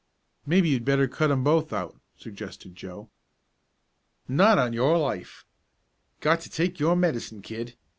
"Maybe you'd better cut 'em both out," suggested Joe. "Not on your life! Got to take your medicine, kid!"